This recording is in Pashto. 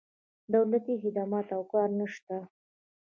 دولتي خدمات او کار نه شته.